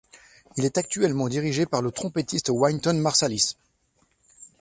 Il est actuellement dirigé par le trompettiste Wynton Marsalis.